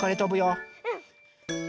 うん。